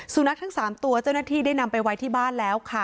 สุนัขทั้ง๓ตัวเจ้าหน้าที่ได้นำไปไว้ที่บ้านแล้วค่ะ